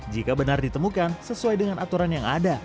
jika benar ditemukan sesuai dengan aturan yang ada